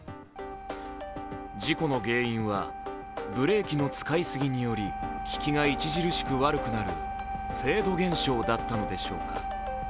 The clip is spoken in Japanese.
事故の原因はブレーキの使いすぎにより利きが著しく悪くなるフェード現象だったのでしょうか。